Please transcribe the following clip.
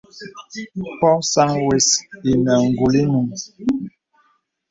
Pɔ̄ɔ̄ sàŋ wə̀s inə ngùl inùŋ.